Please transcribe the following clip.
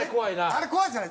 あれ怖いですよね。